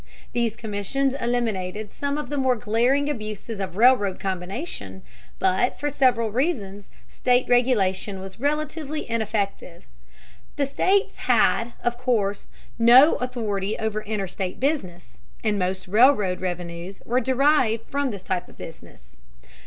These commissions eliminated some of the more glaring abuses of railroad combination, but for several reasons state regulation was relatively ineffective. The states had, of course, no authority over interstate business, and most railroad revenues were derived from this type of business.